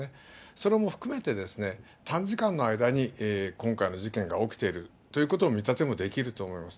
それも含めて、短時間の間に今回の事件が起きているということの見立てもできると思います。